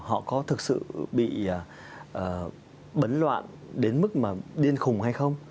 họ có thực sự bị bấn loạn đến mức mà điên khủng hay không